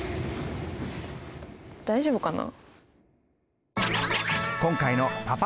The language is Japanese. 大丈夫かな。